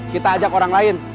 kita ajak orang lain